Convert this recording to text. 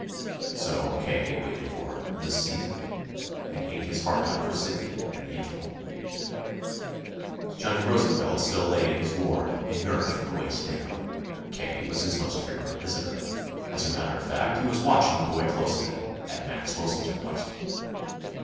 So K. waited for "the season," and ate his heart out for Sidney in the interval. Johnny Rosenfeld still lay in his ward, inert from the waist down. K. was his most frequent visitor. As a matter of fact, he was watching the boy closely, at Max Wilson's request.